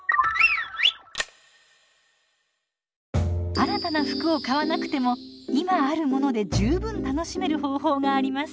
新たな服を買わなくても今あるもので十分楽しめる方法があります。